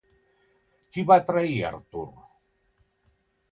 Qui va trair Artur?